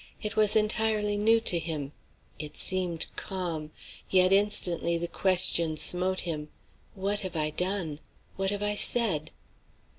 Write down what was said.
It was entirely new to him. It seemed calm. Yet instantly the question smote him, "What have I done? what have I said?"